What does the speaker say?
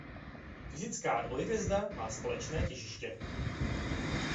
Fyzická dvojhvězda má společné těžiště.